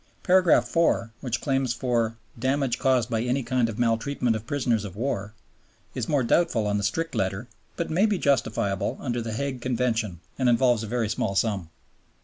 Paragraph 4, which claims for "damage caused by any kind of maltreatment of prisoners of war," is more doubtful on the strict letter, but may be justifiable under the Hague Convention and involves a very small sum.